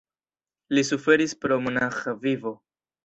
Li suferis pro monaĥa vivo.